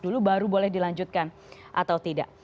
dulu baru boleh dilanjutkan atau tidak